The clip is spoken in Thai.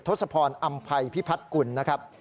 ทศพรอำภัยพิพัฒน์กุลนะครับ